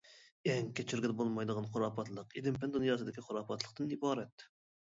ئەڭ كەچۈرگىلى بولمايدىغان خۇراپاتلىق-ئىلىم-پەن دۇنياسىدىكى خۇراپاتلىقتىن ئىبارەت.